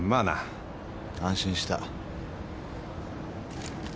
安心した。